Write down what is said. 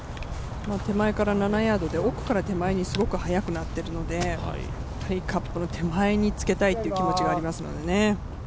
手前から７ヤードで奥から手前にすごく速くなっているのでカップの手前につけたいという気持ちがありますのでね。